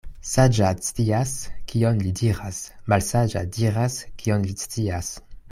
Saĝa scias, kion li diras — malsaĝa diras, kion li scias.